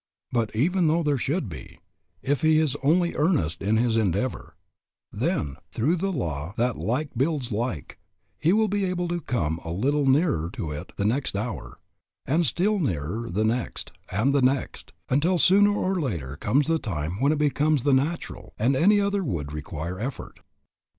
But even though there should be, if he is only earnest in his endeavor, then, through the law that like builds like, he will be able to come a little nearer to it the next hour, and still nearer the next, and the next, until sooner or later comes the time when it becomes the natural, and any other would require the effort.